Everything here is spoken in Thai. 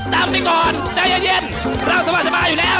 ตามไปก่อนใจเย็นเราสบายอยู่แล้ว